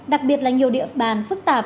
đặc biệt là nhiều địa bàn phức tạp